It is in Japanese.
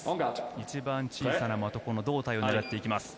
一番小さな的を、胴体を狙っていきます。